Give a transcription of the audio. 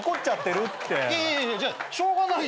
いやいやしょうがないじゃん。